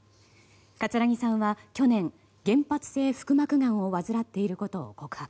葛城さんは去年原発性腹膜がんを患っていることを告白。